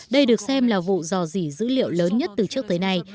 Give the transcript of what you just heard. đây được xem là vụ dò dỉ dữ liệu lớn nhất từ trước tới nay